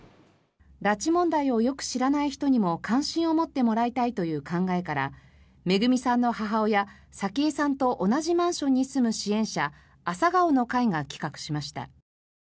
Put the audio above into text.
拉致問題をよく知らない人にも関心を持ってもらいたいという考えからめぐみさんの母親・早紀江さんと同じマンションに住む支援者あさがおの会が企画しました。